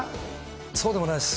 そうでもないです。